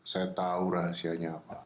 saya tahu rahasianya apa